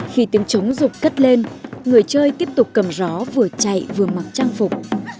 khi tiếng trống rục cất lên người chơi tiếp tục cầm rõ vừa chạy vừa mặc trang phục